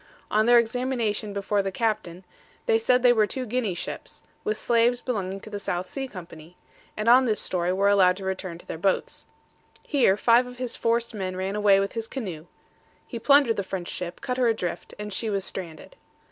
On their examination before the captain, they said they were two Guinea ships, with slaves belonging to the South Sea company, and on this story were allowed to return to their boats. Here five of his forced men ran away with his canoe; he plundered the French ship, cut her adrift, and she was stranded.